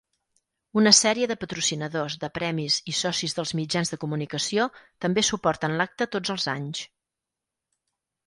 Una sèrie de patrocinadors de premis i socis dels mitjans de comunicació també suporten l'acte tots els anys.